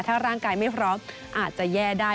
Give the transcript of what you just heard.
ถ้าร่างกายไม่พร้อมอาจจะแย่ได้